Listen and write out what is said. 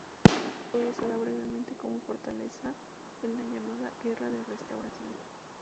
Fue usada brevemente como fortaleza en la llamada "guerra de restauración".